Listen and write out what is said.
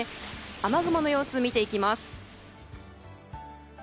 雨雲の様子、見ていきます。